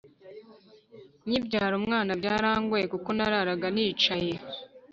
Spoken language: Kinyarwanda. Nyibyara umwana byarangoye kuko nararaga nicaye